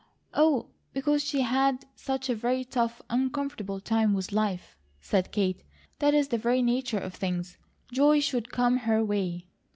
"Oh, because she's had such a very tough, uncomfortable time with life," said Kate, "that in the very nature of things joy SHOULD come her way."